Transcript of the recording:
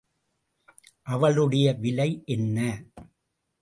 அவளுடைய விலை என்ன?